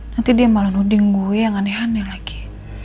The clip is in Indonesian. nanti dia malah nuding gue yang aneh aneh lagi